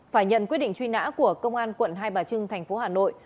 phải nhận quyết định truy nã của công an quận hai bà trưng thành phố hà nội